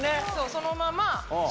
そのまま。